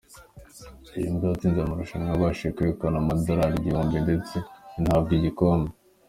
Iyi mbwa yatsinze amarushanwa yabashije kwegukana amadorali igihumbi ndetse inahabwa igikombe.